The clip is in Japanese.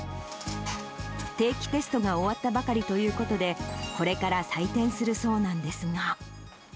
定期テストが終わったばかりということで、これから採点するそうなんですが。